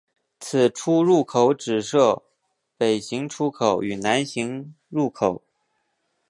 此出入口只设北行出口与南行入口。